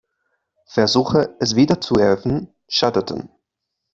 Versuche, es wieder zu eröffnen, scheiterten.